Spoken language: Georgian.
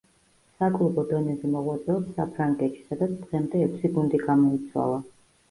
საკლუბო დონეზე მოღვაწეობს საფრანგეთში, სადაც დღემდე ექვსი გუნდი გამოიცვალა.